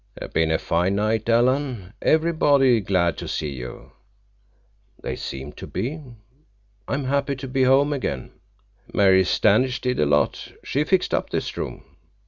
"Been a fine night, Alan. Everybody glad to see you." "They seemed to be. I'm happy to be home again." "Mary Standish did a lot. She fixed up this room."